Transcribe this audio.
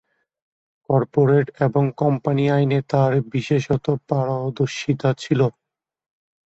Corporate এবং company আইনে তাঁর বিশেষত পারদর্শিতা ছিল।